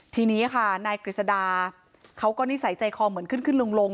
ทีนี้ค่ะนายกฤษดาเขาก็นิสัยใจคอเหมือนขึ้นขึ้นลง